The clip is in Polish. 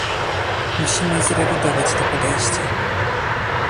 Musimy zrewidować to podejście